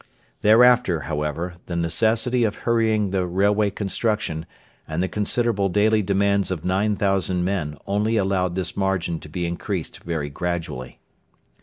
Thereafter, however, the necessity of hurrying the railway construction and the considerable daily demands of 9,000 men only allowed this margin to be increased very gradually.